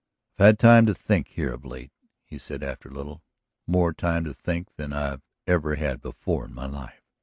"I've had time to think here of late," he said after a little. "More time to think than I've ever had before in my life.